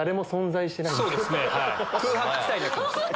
空白地帯になってます。